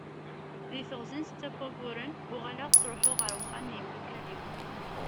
Deg teɣzi n setta n wayyuren, uɣaleɣ ttruḥuɣ ɣer uxxam n yimdukal-iw.